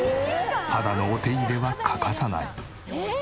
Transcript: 肌のお手入れは欠かさない。